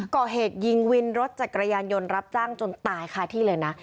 ก่อเหตุยิงวินรถจักรยานยนต์รับจ้างจนตายคาที่เลยนะ